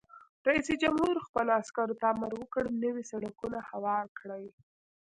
رئیس جمهور خپلو عسکرو ته امر وکړ؛ نوي سړکونه هوار کړئ!